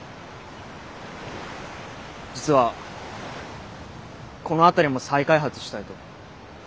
実はこの辺りも再開発したいと。